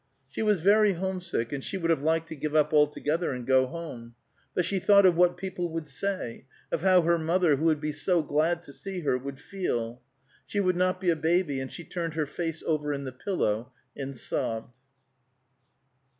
She was very homesick, and she would have liked to give up altogether and go home. But she thought of what people would say; of how her mother, who would be so glad to see her, would feel. She would not be a baby, and she turned her face over in the pillow and sobbed.